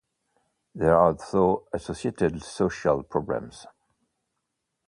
There are also associated social problems.